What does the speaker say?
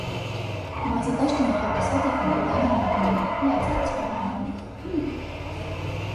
Մարզադաշտը նախատեսված է ֆուտբոլային հանդիպումների անցկացման համար։